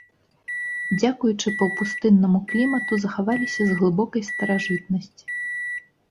Дзякуючы паўпустыннаму клімату захаваліся з глыбокай старажытнасці.